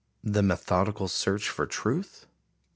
_The methodical search for truth?